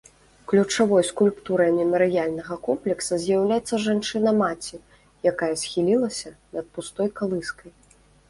Ключавой скульптурай мемарыяльнага комплекса з'яўляецца жанчына-маці, якая схілілася над пустой калыскай.